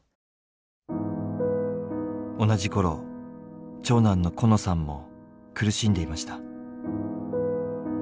同じ頃長男のコノさんも苦しんでいました。